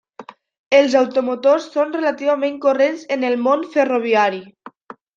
Els automotors són relativament corrents en el món ferroviari.